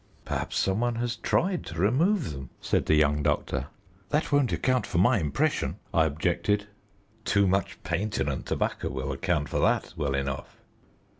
"Perhaps some one has tried to remove them," said the young doctor. "That won't account for my impression," I objected. "Too much painting and tobacco will account for that, well enough."